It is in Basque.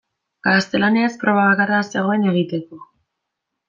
Gaztelaniaz proba bakarra zegoen egiteko.